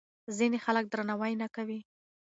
ځینې خلک درناوی نه کوي.